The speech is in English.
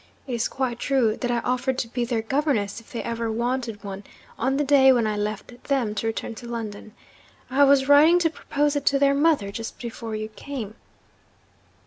It is quite true that I offered to be their governess, if they ever wanted one, on the day when I left them to return to London. I was writing to propose it to their mother, just before you came.'